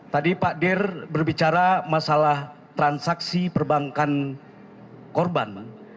tadi pak dir berbicara masalah transaksi perbankan korban